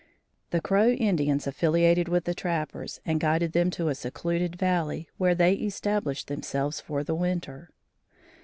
The Crow Indians affiliated with the trappers and guided them to a secluded valley, where they established themselves for the winter.